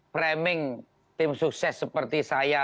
framing tim sukses seperti saya